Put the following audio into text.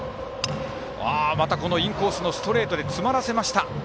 また、このインコースのストレートで詰まらせました。